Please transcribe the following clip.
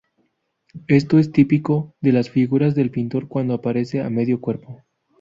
Esto es típico de las figuras del pintor cuando aparecen a medio cuerpo.